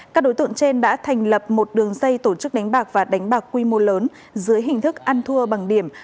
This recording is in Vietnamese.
các đối tượng trên đã thành lập một đường dây tổ chức đánh bạc và đánh bạc quy mô lớn dưới hình thức ăn thua bằng điểm